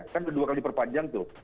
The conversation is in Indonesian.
kan sudah dua kali diperpanjang tuh